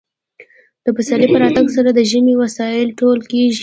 د پسرلي په راتګ سره د ژمي وسایل ټول کیږي